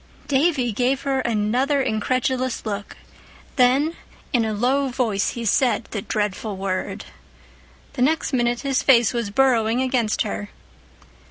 _" Davy gave her another incredulous look, then in a low voice he said the dreadful word. The next minute his face was burrowing against her.